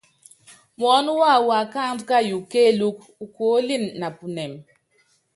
Muɔ́nɔ wawɔ wáakáandú kayuukɔ kéelúku, ukuɔ́líni napunɛ́m.